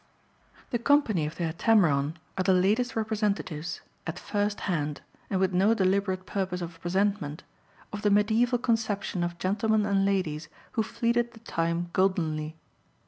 The company of the Heptameron are the latest representatives, at first hand, and with no deliberate purpose of presentment, of the mediaeval conception of gentlemen and ladies who fleeted the time goldenly.